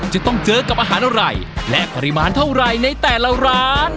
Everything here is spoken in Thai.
จะต้องเจอกับอาหารอะไรและปริมาณเท่าไหร่ในแต่ละร้าน